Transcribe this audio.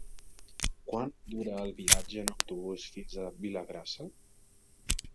Quant dura el viatge en autobús fins a Vilagrassa?